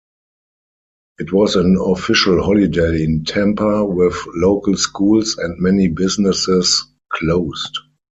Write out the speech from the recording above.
It was an official holiday in Tampa, with local schools and many businesses closed.